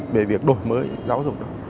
về việc đổi mới giáo dục